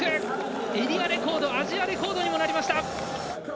エリアレコードアジアレコードにもなりました。